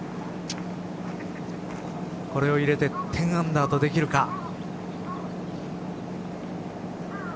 これを入れて１０アンダーとできるか。